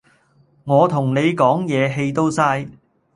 我同你講嘢氣都嘥